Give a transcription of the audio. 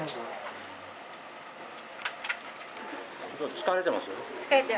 疲れてます？